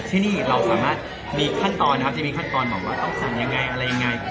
ที่นี่เราสามารถมีขั้นตอนนะครับจะมีขั้นตอนบอกว่าต้องสั่งยังไงอะไรยังไง